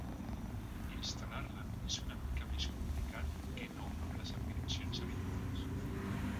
Instal·lar-la és una mica més complicat que no amb les aplicacions habituals.